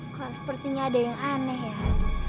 kok sepertinya ada yang aneh ya